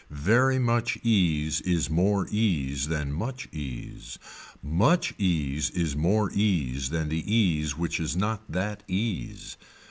Very much ease is more ease than much ease, much ease is more ease than the ease which is not that ease.